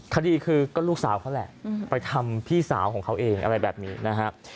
คดีคือก็ลูกสาวเขาแหละไปทำพี่สาวของเขาเองอะไรแบบนี้นะฮะ